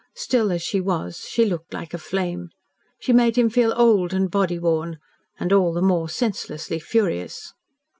Still as she was, she looked like a flame. She made him feel old and body worn, and all the more senselessly furious.